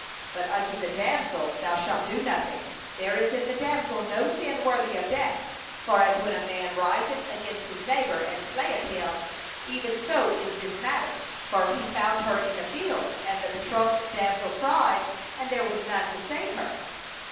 26But unto the damsel thou shalt do nothing; there is in the damsel no sin worthy of death; for as when a man riseth against his neighbour, and slayeth him, even so is this matter. 27For he found her in the field; the betrothed damsel cried, and there was none to save her.